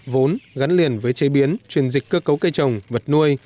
vốn gắn liền với chế biến chuyển dịch cơ cấu cây trồng vật nuôi